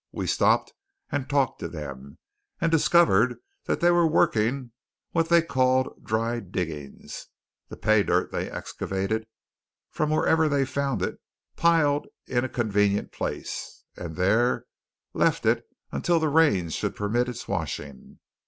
We stopped and talked to them; and discovered that they were working what they called "dry diggings." The pay dirt they excavated from wherever they found it piled it in a convenient place, and there left it until the rains should permit its washing.